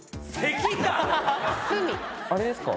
炭あれですか？